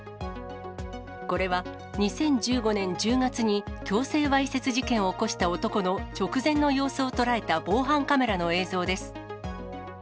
これは２０１５年１０月に強制わいせつ事件を起こした男の、直前の様子を捉えた防犯カメラの映像です。